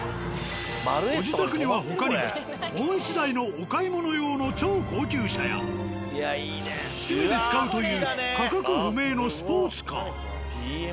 ご自宅には他にももう１台のお買い物用の超高級車や趣味で使うという価格不明のスポーツカー。